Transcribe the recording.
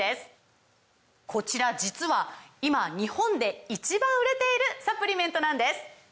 こちら実は今日本で１番売れているサプリメントなんです！